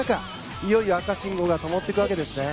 いよいよ赤信号がともっていくわけですね。